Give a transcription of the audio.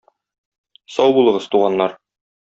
Сау булыгыз, туганнар.